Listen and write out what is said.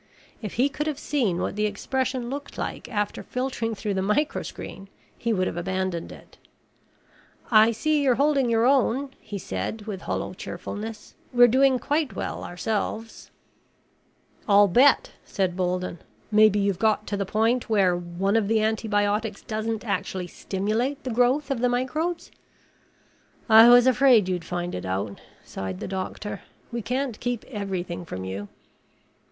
If he could have seen what the expression looked like after filtering through the microscreen, he would have abandoned it. "I see you're holding your own," he said with hollow cheerfulness. "We're doing quite well ourselves." "I'll bet," said Bolden. "Maybe you've got to the point where one of the antibiotics doesn't actually stimulate the growth of the microbes?" "I was afraid you'd find it out," sighed the doctor. "We can't keep everything from you."